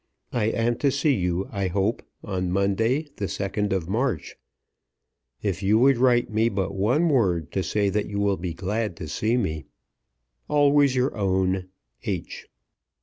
I am to see you, I hope, on Monday, the 2nd of March. If you would write me but one word to say that you will be glad to see me! Always your own, H.